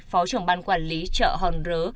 phó trưởng ban quản lý chợ hòn rớ